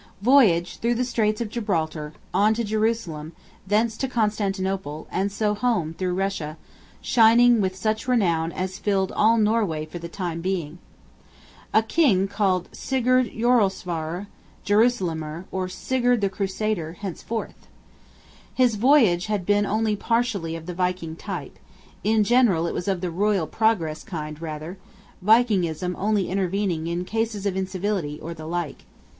Voyage through the Straits of Gibraltar, on to Jerusalem, thence to Constantinople; and so home through Russia, shining with such renown as filled all Norway for the time being. A King called Sigurd Jorsalafarer (Jerusalemer) or Sigurd the Crusader henceforth. His voyage had been only partially of the Viking type; in general it was of the Royal Progress kind rather; Vikingism only intervening in cases of incivility or the like.